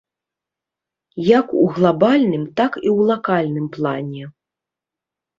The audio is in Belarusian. Як у глабальным, так і ў лакальным плане.